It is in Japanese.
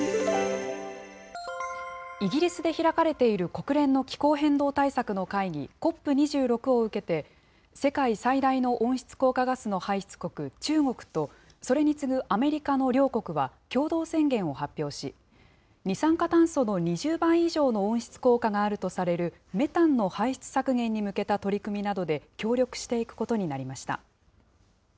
イギリスで開かれている国連の気候変動対策の会議、ＣＯＰ２６を受けて、世界最大の温室効果ガスの排出国、中国とそれに次ぐアメリカの両国は、共同宣言を発表し、二酸化炭素の２０倍以上の温室効果があるとされるメタンの排出削減に向けた取り組みなどで協力していくことになりました。